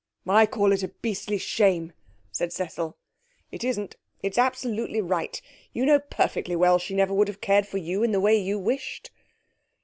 'I call it a beastly shame,' said Cecil. 'It isn't. It's absolutely right. You know perfectly well she never would have cared for you in the way you wished.'